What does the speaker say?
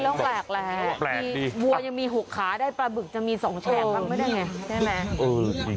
มันก็เป็นเรื่องแปลกแหละที่บัวยังมี๖ขาแต่ปลาเบื้อกจะมี๒แฉกมันไม่ได้ไงใช่ไหม